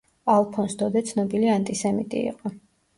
ალფონს დოდე ცნობილი ანტისემიტი იყო.